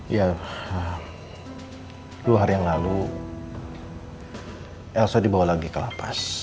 ya dua hari yang lalu elsa dibawa lagi ke lapas